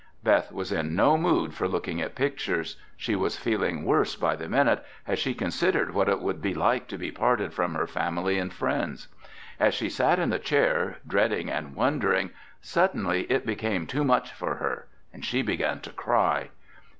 Beth was in no mood for looking at pictures. She was feeling worse by the minute as she considered what it would be like to be parted from her family and friends. As she sat in the chair, dreading and wondering, suddenly it became too much for her and she began to cry.